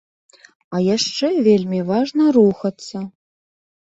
А яшчэ вельмі важна рухацца.